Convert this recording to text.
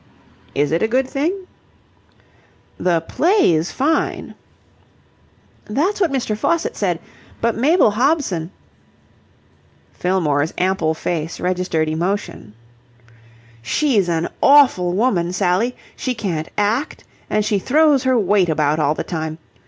"Is it a good thing?" "The play's fine." "That's what Mr. Faucitt said. But Mabel Hobson..." Fillmore's ample face registered emotion. "She's an awful woman, Sally! She can't act, and she throws her weight about all the time.